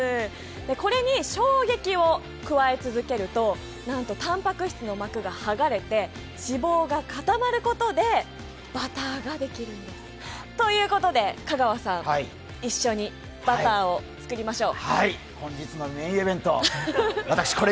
これに衝撃を加え続けると、なんとたんぱく質の膜が剥がれて脂肪が固まることでバターができるんです。ということで、香川さん、一緒にバターを作りましょう。